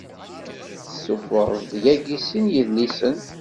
Tessuffeɣ-d yagi sin n yedlisen.